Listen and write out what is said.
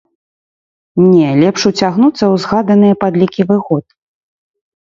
Не, лепш уцягнуцца ў згаданыя падлікі выгод.